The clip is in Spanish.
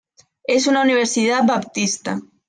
Es una universidad baptista.